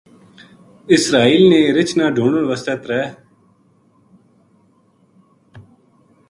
اسرائیل نے رِچھ نا ڈھُونڈن واسطے ترے